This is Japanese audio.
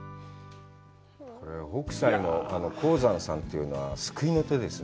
北斎の鴻山さんというのは救いの手ですね。